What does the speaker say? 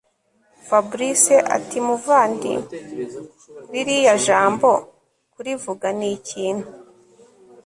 Fabric atimuvandi ririya jambo kurivuga ni ikintu